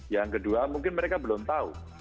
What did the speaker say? yang kedua mungkin mereka belum tahu